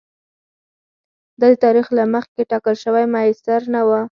دا د تاریخ له مخکې ټاکل شوی مسیر نه و.